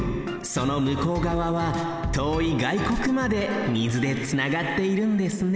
その向こうがわはとおいがいこくまで水でつながっているんですね